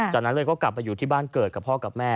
จากนั้นเลยก็กลับไปอยู่ที่บ้านเกิดกับพ่อกับแม่